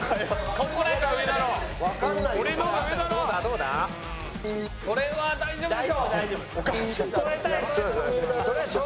ここは大丈夫です。